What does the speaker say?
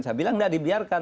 saya bilang tidak dibiarkan